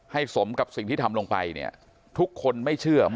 สมกับสิ่งที่ทำลงไปเนี่ยทุกคนไม่เชื่อ